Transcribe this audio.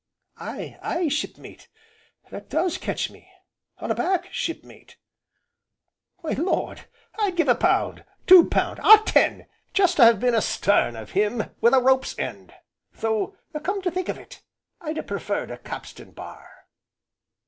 "Aye, aye, Shipmate, that does ketch me, all aback, shipmate. Why Lord! I'd give a pound, two pound ah, ten! just to have been astarn of him wi' a rope's end, though come to think of it I'd ha' preferred a capstan bar."